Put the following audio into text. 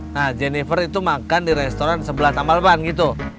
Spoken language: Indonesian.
nah jennifer itu makan di restoran sebelah tambal ban gitu